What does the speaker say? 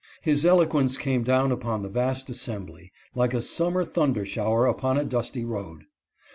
His eloquence came down upon the vast assembly like a sum mer thunder shower upon a dusty road.